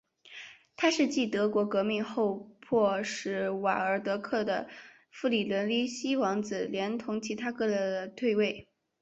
它是继德国革命后迫使瓦尔德克的弗里德里希王子连同其他德意志邦国君主退位。